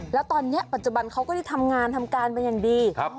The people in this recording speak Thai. แล้วตอนนี้ปัจจุบันเขาก็ได้ทำงานทำการเป็นอย่างดี